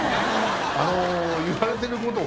あの言われてること